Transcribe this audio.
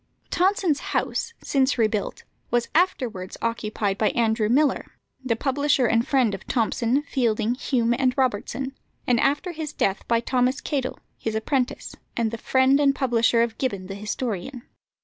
Tonson's house, since rebuilt, was afterwards occupied by Andrew Millar, the publisher and friend of Thomson, Fielding, Hume, and Robertson, and after his death by Thomas Cadell, his apprentice, and the friend and publisher of Gibbon the historian.